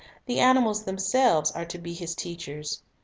The animals themselves are to be his teachers.